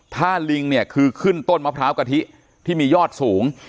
ถ้าลิงเนี่ยคือขึ้นต้นมะพร้าวกะทิที่มียอดสูง